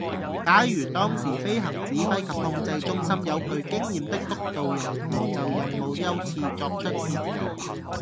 假如當時飛行指揮及控制中心有具經驗的督導人員就任務優次作出協調